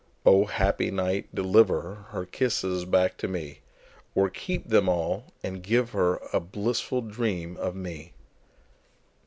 O, happy night, deliverHer kisses back to me, Or keep them all, and give herA blissful dream of me!